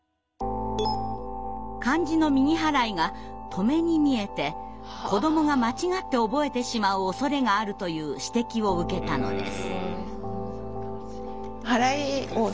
漢字の「右はらい」が「とめ」に見えて子どもが間違って覚えてしまうおそれがあるという指摘を受けたのです。